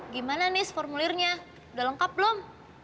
gimana nih formulirnya udah lengkap belum